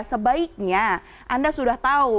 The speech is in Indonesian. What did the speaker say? sebaiknya anda sudah tahu